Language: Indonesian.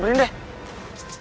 brustal gak gua